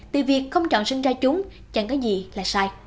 từ việc không chọn sinh ra chúng chẳng có gì là sai